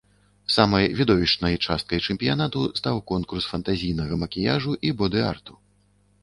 Самай відовішчнай часткай чэмпіянату стаў конкурс фантазійнага макіяжу і боды-арту.